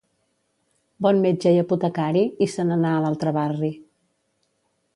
Bon metge i apotecari, i se n'anà a l'altre barri.